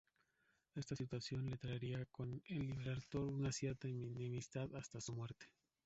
Esta situación le traería con el Libertador una cierta enemistad hasta su muerte.